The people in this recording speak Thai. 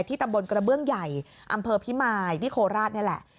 ตำบลกระเบื้องใหญ่อำเภอพิมายที่โคราชนี่แหละ